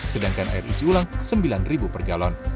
sedangkan air uji ulang rp sembilan per galon